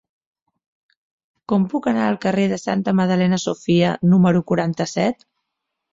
Com puc anar al carrer de Santa Magdalena Sofia número quaranta-set?